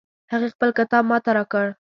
هغې خپل کتاب ما ته راکړ